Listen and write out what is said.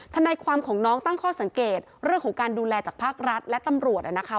ทนายความของน้องตั้งข้อสังเกตเรื่องของการดูแลจากภาครัฐและตำรวจนะคะ